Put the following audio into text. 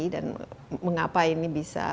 dan mengapa ini bisa